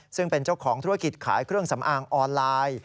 ซึ่งเป็นเจ้าของธุรกิจขายเครื่องสำอางออนไลน์